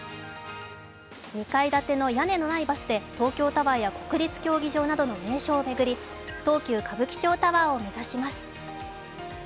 ２階建ての屋根のないバスで東京タワーや国立競技場などの名所を巡り、東急歌舞伎町タワーを目指します。